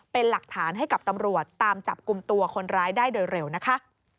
เป็นหลักฐานให้กับตำรวจตามจับกลุ่มตัวคนร้ายได้โดยเร็วนะคะ